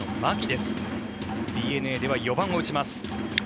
ＤｅＮＡでは４番を打ちます。